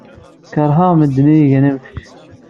Keṛheɣ medden ay igan am kečč.